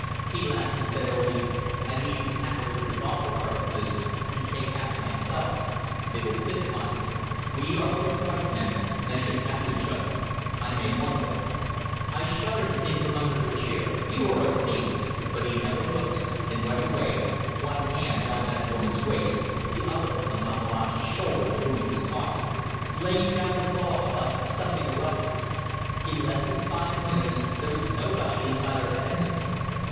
He laughed and said only: 'I leave you half of your revolver cartridges and take half myself; they will fit mine. We are both white men, and should back each other up. I may want them.' I shouted at him from under the chair: 'You are a thief,' but he never looked, and went away, one hand round that woman's waist, the other on Babalatchi's shoulder, to whom he was talking laying down the law about something or other. In less than five minutes there was nobody inside our fences.